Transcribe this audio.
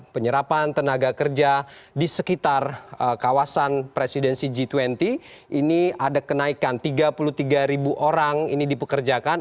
penyerapan tenaga kerja di sekitar kawasan presidensi g dua puluh ini ada kenaikan tiga puluh tiga ribu orang ini dipekerjakan